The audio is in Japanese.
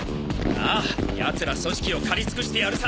ああ奴ら「組織」を狩り尽くしてやるさ。